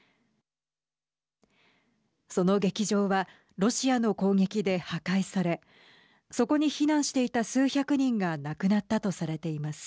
その劇場はロシアの攻撃で破壊されそこに避難していた数百人が亡くなったとされています。